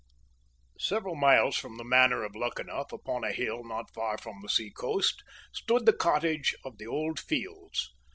Several miles from the manor of Luckenough, upon a hill not far from the seacoast, stood the cottage of the Old Fields.